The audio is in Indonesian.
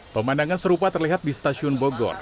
pemandangan serupa terlihat di stasiun bogor